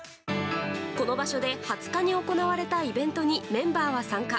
この場所で２０日に行われたイベントにメンバーは参加。